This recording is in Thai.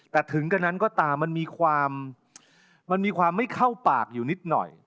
แต่ถึงกันนั้นก็ตามมันมีความมันมีความไม่เข้าปากอยู่นิดหน่อย